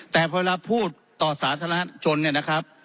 แต่เวลาพูดต่อสาธารณชนเนี่ยนะครับ